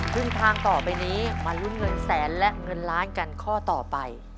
ครึ่งทางต่อไปนี้มาลุ้นเงินแสนและเงินล้านกันข้อต่อไป